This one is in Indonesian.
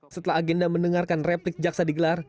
setelah agenda mendengarkan replik jaksa digelar